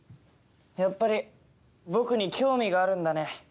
やっぱり僕に興味があるんだね